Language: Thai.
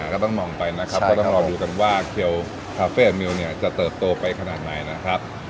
ก็ต้องมองไปนะครับก็ต้องรอดูกันว่าเขียวคาเฟ่มิวเนี่ยจะเติบโตไปขนาดไหนนะครับ